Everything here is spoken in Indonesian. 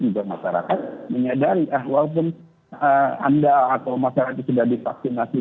juga masyarakat menyadari walaupun anda atau masyarakat sudah divaksinasi